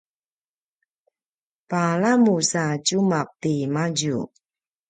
palamu sa tjumaq timadju